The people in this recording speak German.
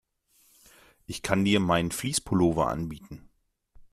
Ich kann dir meinen Fleece-Pullover anbieten.